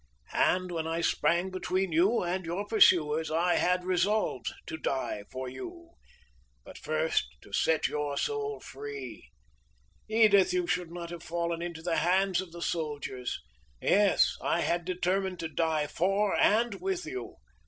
And when I sprang between you and your pursuers, I had resolved to die for you. But first to set your soul free. Edith, you should not have fallen into the hands of the soldiers! Yes! I had determined to die for and with you!